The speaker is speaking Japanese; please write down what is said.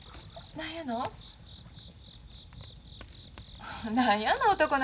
何やの？